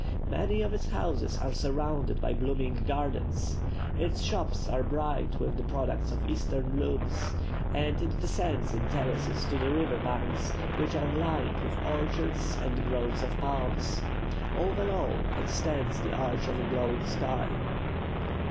Many of its houses are surrounded by blooming gardens; its shops are bright with the products of Eastern looms; and it descends in terraces to the river banks, which are lined with orchards and groves of palm. Over all extends the arch of a glowing sky.